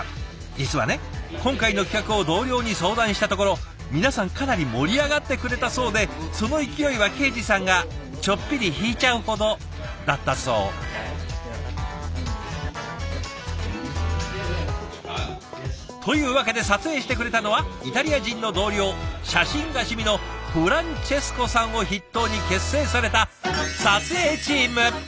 実はね今回の企画を同僚に相談したところ皆さんかなり盛り上がってくれたそうでその勢いは恵司さんがちょっぴり引いちゃうほどだったそう。というわけで撮影してくれたのはイタリア人の同僚写真が趣味のフランチェスコさんを筆頭に結成された撮影チーム！